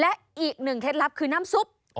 และอีกหนึ่งเคล็ดลับคือน้ำซุป